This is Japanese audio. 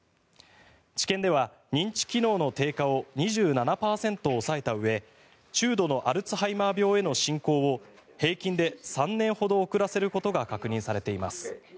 治験では認知機能の低下を２７％抑えたうえ中度のアルツハイマー病への進行を平均で３年ほど遅らせることが確認されています。